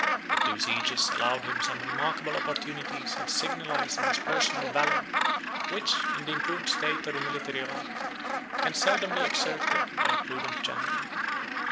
The two sieges allowed him some remarkable opportunities of signalizing his personal valor, which, in the improved state of the military art, can seldom be exerted by a prudent general.